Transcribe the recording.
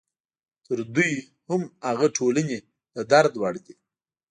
تر دوی هم هغه ټولنې د درد وړ دي.